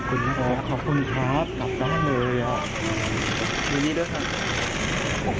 ขอบคุณสสนี่ด้วยค่ะ